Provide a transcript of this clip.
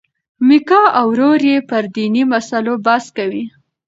میکا او ورور یې پر دیني مسلو بحث کوي.